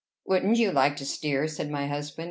"Wouldn't you like to steer?" said my husband.